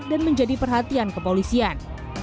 dan menjadi perhatian kepolisian